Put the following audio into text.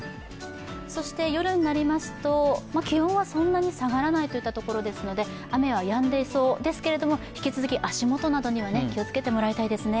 そして夜になりますと、気温はそんなに下がらないといったところでので、雨はやんでいそうですけれども、引き続き足元などには気をつけてもらいたいですね。